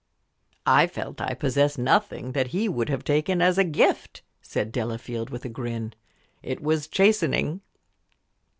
"I felt I possessed nothing that he would have taken as a gift," said Delafield, with a grin. "It was chastening."